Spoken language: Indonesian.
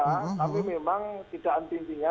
tapi memang tidak anti intinya